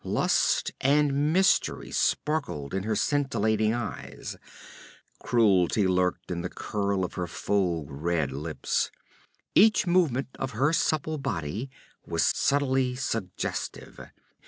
Lust and mystery sparkled in her scintillant eyes, cruelty lurked in the curl of her full red lips. Each movement of her supple body was subtly suggestive.